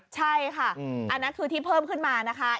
ใช่ค่ะอันนั้นคือที่เพิ่มขึ้นมานะคะ